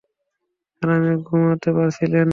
আরামে ঘুমুতে পারছিলেন না।